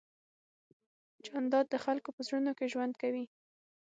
جانداد د خلکو په زړونو کې ژوند کوي.